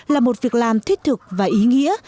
là một việc làm thiết thực và ý nghĩa